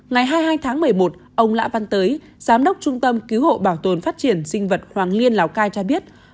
ngày hai mươi hai tháng một mươi một ông lã văn tới giám đốc trung tâm cứu hộ bảo tồn phát triển sinh vật hoàng liên lào cai cho biết